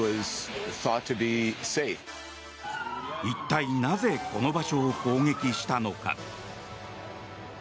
一体なぜこの場所を攻撃したのか。